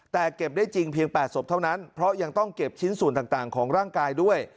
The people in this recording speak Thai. แต่เก็บได้จริงเพียง๘ศพเท่านั้นเพราะยังต้องเก็บชิ้นส่วนต่างของร่างกายด้วย